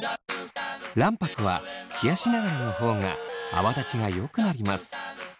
卵白は冷やしながらの方が泡立ちがよくなります。